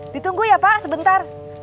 ditunggu ya pak sebentar